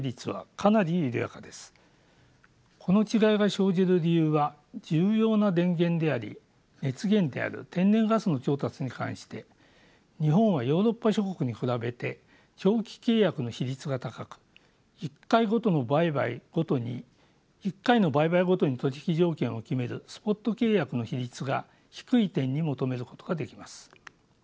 この違いが生じる理由は重要な電源であり熱源である天然ガスの調達に関して日本はヨーロッパ諸国に比べて長期契約の比率が高く１回の売買ごとに取引条件を決めるスポット契約の比率が低い点に求めることができます。